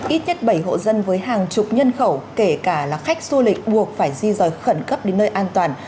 ít nhất bảy hộ dân với hàng chục nhân khẩu kể cả là khách du lịch buộc phải di rời khẩn cấp đến nơi an toàn